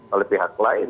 oleh pihak lain